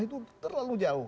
itu terlalu jauh